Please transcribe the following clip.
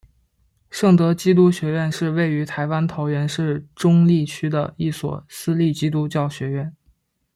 圣德基督学院是位于台湾桃园市中坜区的一所私立基督教学院。